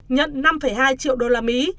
nhận năm hai triệu đô la mỹ